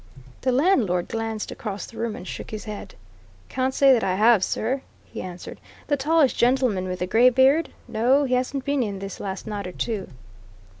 The landlord glanced across the room and shook his head. "Can't say that I have, sir," he answered. "The tallish gentleman with a grey beard? No, he hasn't been in this last night or two."